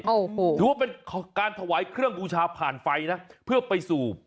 ถือว่าเป็นการถวายเครื่องบูชาผ่านไฟ